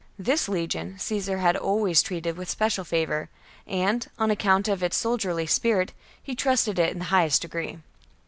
This legion Caesar had always treated with special favour, and, on account of its soldierly spirit, he trusted it in the highest degree.